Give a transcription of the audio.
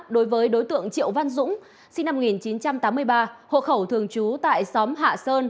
đối với đối tượng triệu văn dũng sinh năm một nghìn chín trăm tám mươi ba hộ khẩu thường trú tại xóm hạ sơn